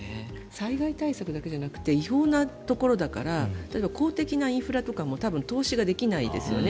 災害対策だけじゃなくて違法なところだから公的なインフラとかも投資ができないですよね。